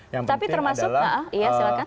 tapi termasuk pak iya silahkan